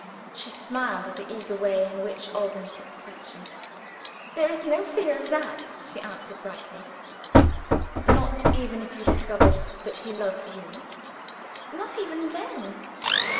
She smiled at the eager way in which Alban put the question. "There is no fear of that," she answered brightly. "Not even if you discovered that he loves you?" "Not even then.